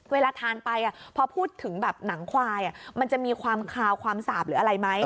เวลาทานไปพอพูดถึงแบบหนังควายมันจะมีความคาวความสาบหรืออะไรไหม